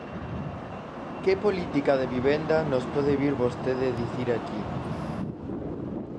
¡¿Que política de vivenda nos pode vir vostede dicir aquí?!